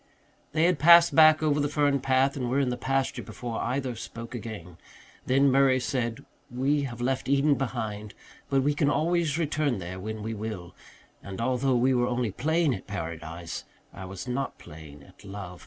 They had passed back over the fern path and were in the pasture before either spoke again. Then Murray said, "We have left Eden behind but we can always return there when we will. And although we were only playing at paradise, I was not playing at love.